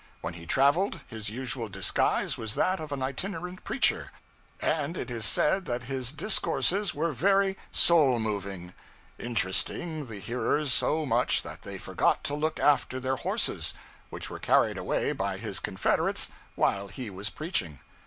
When he traveled, his usual disguise was that of an itinerant preacher; and it is said that his discourses were very 'soul moving' interesting the hearers so much that they forgot to look after their horses, which were carried away by his confederates while he was preaching.